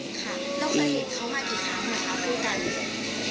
แล้วเค้ามากี่ครั้งนะคะคุยกัน